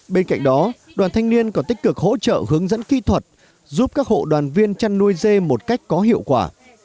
bên cạnh đó đoàn thanh niên còn tích cực hỗ trợ hướng dẫn kỹ thuật giúp các hộ đoàn viên chăn nuôi dê một cách có hiệu quả